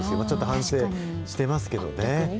ちょっと反省してますけどね。